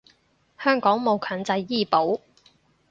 香港冇強制醫保